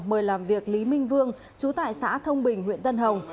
mời làm việc lý minh vương chú tại xã thông bình huyện tân hồng